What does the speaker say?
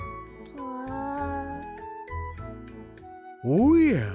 おや？